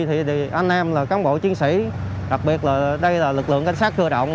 thì anh em là cán bộ chiến sĩ đặc biệt là đây là lực lượng cảnh sát cơ động